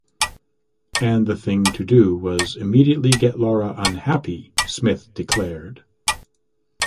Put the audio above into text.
"And the thing to do was immediately get Laura unhappy" Smith declared.